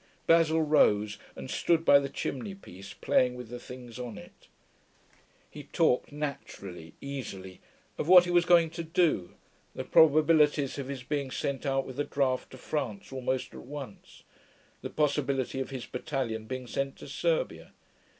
Basil rose, and stood by the chimney piece, playing with the things on it. He talked, naturally, easily, of what he was going to do, the probabilities of his being sent out with a draft to France almost at once, the possibility of his battalion being sent to Serbia.